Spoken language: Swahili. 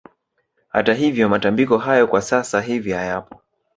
Hata hivyo matambiko hayo kwa sasa hivi hayapo